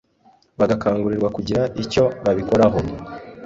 bagakangurirwa kugira icyo babikoraho